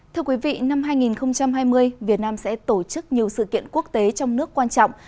thưa quý vị năm hai nghìn hai mươi việt nam sẽ tổ chức nhiều sự kiện quốc tế trong nước quan trọng